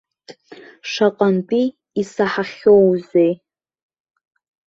Шаҟантәи исаҳахьоузеи.